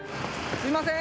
すみません！